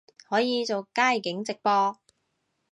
可以做街景直播